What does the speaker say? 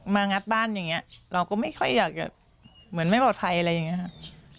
งัดบ้านอย่างนี้เราก็ไม่ค่อยอยากจะเหมือนไม่ปลอดภัยอะไรอย่างนี้ครับ